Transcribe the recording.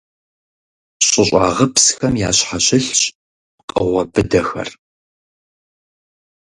ЩӀыщӀагъыпсхэм ящхьэщылъщ пкъыгъуэ быдэхэр.